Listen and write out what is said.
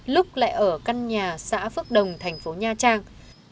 lúc lại ở căn nhà xã phước đồng thành phố nha trang